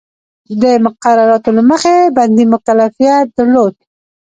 د مقرراتو له مخې بندي مکلفیت درلود.